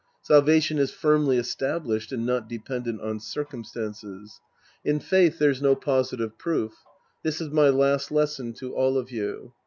Salvation is firmly established and not dependent on circumstances. In faith, there's no positive proof. This is my last lesson to all of you.